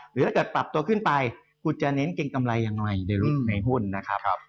หรือถ้าเกิดปรับตัวขึ้นไปคุณจะเน้นเกรงกำไรยังไงในหุ้นนะครับ